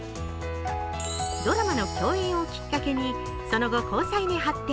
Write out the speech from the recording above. ドラマの共演をきっかけに、その後交際に発展。